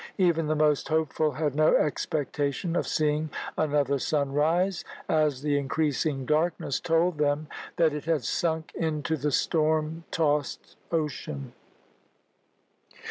Even the most hopeful had no expectation of seeing another sunrise, as the increasing darkness told them that it had sunk into the storm tossed ocean.